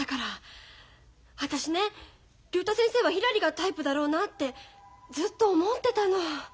私ね竜太先生はひらりがタイプだろうなってずっと思ってたの。